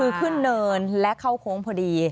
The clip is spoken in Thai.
คือขึ้นเนินและเข้าโค้งพอดี